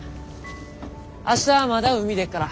明日まだ海出っから。